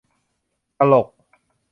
ตลก !